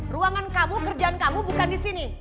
ruangan kamu kerjaan kamu bukan disini